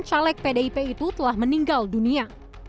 caleg pdip itu telah meninggal dunia